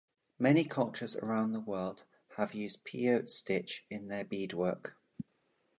Many cultures around the world have used peyote stitch in their beadwork.